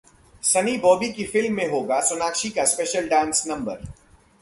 सनी-बॉबी की फिल्म में होगा सोनाक्षी का स्पेशल डांस नंबर